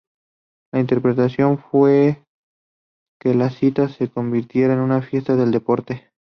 La intención fue que la cita se convierta en una fiesta del deporte.